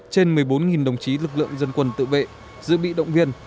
trên một mươi bốn đồng chí lực lượng dân quân tự vệ dự bị động viên